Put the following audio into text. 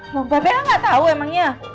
mbak bella gak tahu emangnya